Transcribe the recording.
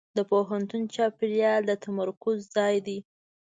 د پوهنتون چاپېریال د تمرکز ځای دی.